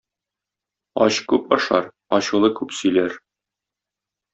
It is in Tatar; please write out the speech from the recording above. Ач күп ашар, ачулы күп сөйләр.